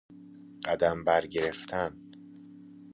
قدم بر گرفتن